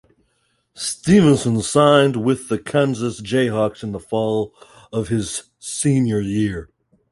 Stevenson signed with the Kansas Jayhawks in the fall of his senior year.